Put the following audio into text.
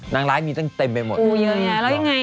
นางร้ายมีตั้งเต็มไปหมดอย่างเงี้ยแล้วยังไง